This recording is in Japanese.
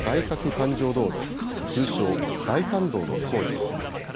かく環状道路、通称外環道の工事。